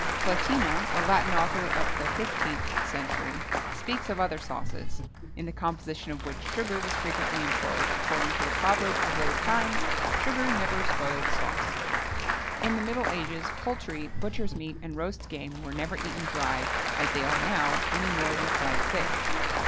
Platina, a Latin author of the 15th century, speaks of other sauces, in the composition of which sugar was frequently employed, according to the proverb of those times: "Sugar never spoiled sauce." In the middle ages, poultry, butchers' meat, and roast game, were never eaten dry, as they are now, any more than fried fish.